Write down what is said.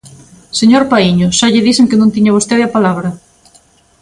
Señor Paíño, xa lle dixen que non tiña vostede a palabra.